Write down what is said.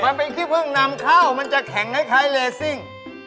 มันเป็นขี้พึ่งนำเข้ามันจะแข็งคล้ายเลซิ่ง